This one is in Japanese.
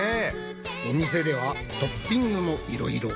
お店ではトッピングもいろいろ。